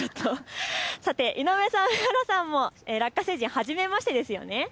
さて井上さん上原さんもラッカ星人、初めましてですよね。